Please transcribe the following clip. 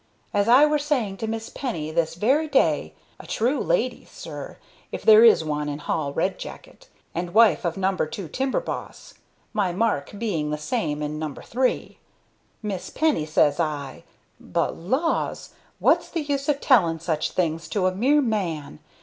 As I were saying to Miss Penny this very day a true lady, sir, if there is one in hall Red Jacket, and wife of No. 2, timber boss, my Mark being the same in No. 3 Miss Penny, sez I but, laws! what's the use of telling sich things to a mere man?